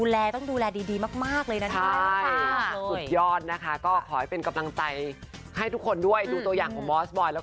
แล้วรู้สึกว่ามันแทงมานานใจ